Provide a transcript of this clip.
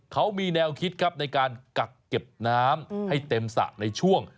เขามีแนวคิดครับในการกักเก็บน้ำให้เต็มสระในช่วง